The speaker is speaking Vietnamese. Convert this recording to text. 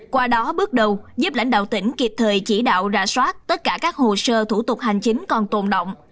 qua đó bước đầu giúp lãnh đạo tỉnh kịp thời chỉ đạo ra soát tất cả các hồ sơ thủ tục hành chính còn tồn động